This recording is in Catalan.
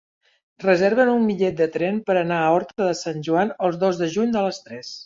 Reserva'm un bitllet de tren per anar a Horta de Sant Joan el dos de juny a les tres.